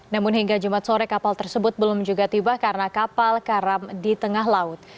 namun hingga jumat sore kapal tersebut belum juga tiba karena kapal karam di tengah laut